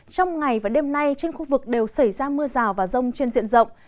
trong ngày và đêm nay trên khu vực đều xảy ra mưa rào và rông trên diện rộng